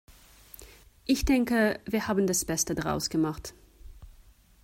Ich denke, wir haben das Beste daraus gemacht.